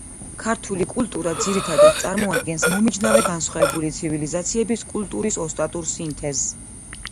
ქართული კულტურა ძირითადად წარმოადგენს მომიჯნავე განსხვავებული ცივილიზაციების კულტურის ოსტატურ სინთეზს.